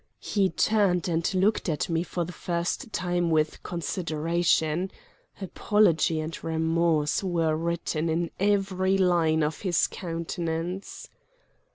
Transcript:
He turned and looked at me for the first time with consideration. Apology and remorse were written in every line of his countenance.